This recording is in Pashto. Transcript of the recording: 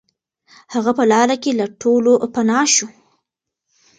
هغه په لاره کې له ټولو پناه شو.